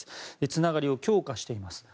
つながりを強化しています。